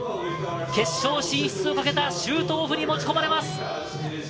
決勝進出をかけたシュートオフに持ち込まれます。